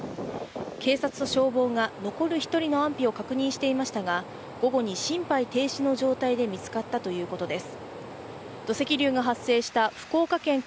警察と消防が残る１人の安否を確認していましたが、午後に心肺停止の状態で見つかったということです。